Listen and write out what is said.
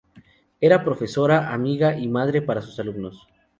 Era profesora, amiga y madre para sus alumnos.